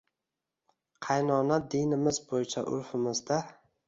qaynona dinimiz bo‘yicha urfimizda